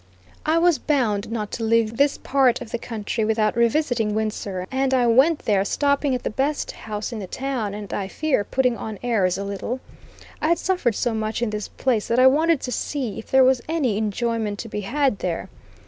I was bound not to leave this part of the country without revisiting Windsor, and I went there, stopping at the best house in the town, and, I fear, "putting on airs" a little. I had suffered so much in this place that I wanted to see if there was any enjoyment to be had there.